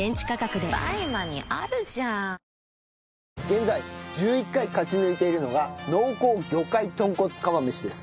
現在１１回勝ち抜いているのが濃厚魚介豚骨釜飯です。